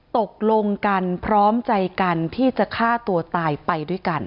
ตกลงกันพร้อมใจกันที่จะฆ่าตัวตายไปด้วยกัน